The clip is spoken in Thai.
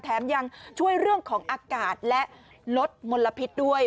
ยังช่วยเรื่องของอากาศและลดมลพิษด้วย